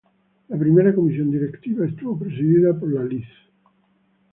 La primera Comisión Directiva estuvo presidida por la Lic.